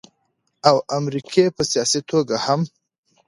او امريکې په سياسي توګه هم